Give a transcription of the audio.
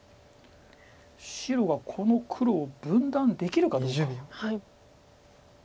白はこの黒を分断できるかどうか。